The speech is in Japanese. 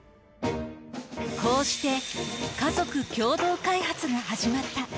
こうして家族共同開発が始まった。